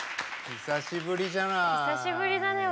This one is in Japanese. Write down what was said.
久しぶりじゃない。